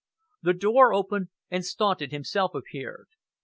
The door opened, and Staunton himself appeared.